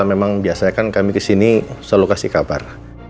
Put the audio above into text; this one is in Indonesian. memang biasanya kan kami kesini selalu kasih kabar